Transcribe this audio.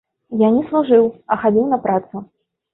Я не служыў, а хадзіў на працу.